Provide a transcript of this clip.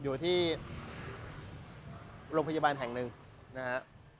อยู่ที่โรงพยาบาลแห่งหนึ่งนะฮะ